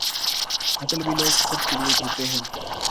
مطلبی لوگ خود کے لئے جیتے ہیں۔